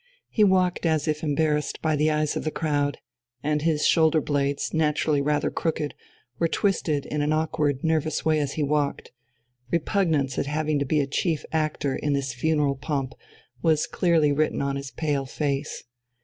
He walked as if embarrassed by the eyes of the crowd, and his shoulder blades, naturally rather crooked, were twisted in an awkward nervous way as he walked. Repugnance at having to be chief actor in this funeral pomp was clearly written on his pale face.